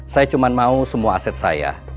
saya cuma mau semua aset saya